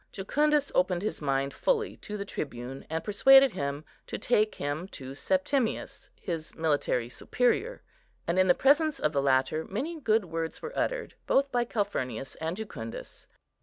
Jucundus opened his mind fully to the tribune, and persuaded him to take him to Septimius, his military superior, and in the presence of the latter many good words were uttered both by Calphurnius and Jucundus.